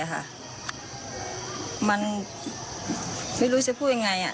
หมมันไม่รู้จะพูดอย่างไร